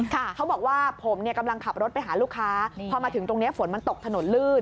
เขาบอกว่าผมเนี่ยกำลังขับรถไปหาลูกค้าพอมาถึงตรงเนี้ยฝนมันตกถนนลื่น